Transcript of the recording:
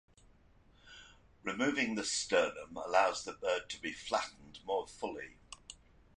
Removing the sternum allows the bird to be flattened more fully.